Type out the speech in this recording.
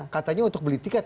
katanya untuk beli tiket